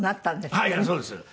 はいそうです。